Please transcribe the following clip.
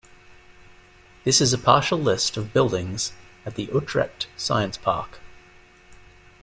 This is a partial list of buildings at the Utrecht Science Park.